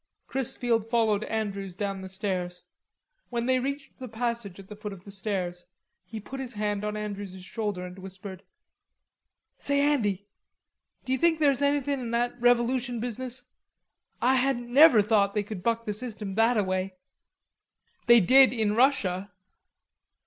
Chrisfield followed Andrews down the stairs. When they reached the passage at the foot of the stairs, he put his hand on Andrews's shoulder and whispered: "Say, Andy, d'you think there's anything in that revolution business? Ah hadn't never thought they could buck the system thataway." "They did in Russia."